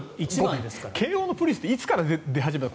慶応のプリンスっていつから出始めたの？